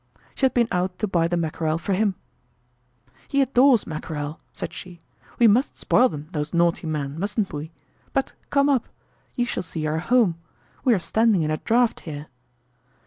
She had been out to buy the mackerel for him. "He adores mackerel," said she. "We must spoil them, those naughty men, mustn't we? But come up. You shall see our home. We are standing in a draught here."